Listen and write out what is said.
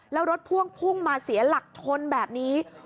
แล้วรถพ่วงพุ่งมาเสียหลักชนแบบนี้